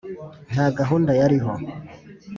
Nta gahunda yariho !